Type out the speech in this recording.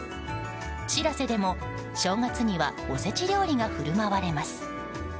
「しらせ」でも正月にはおせち料理が振る舞われます。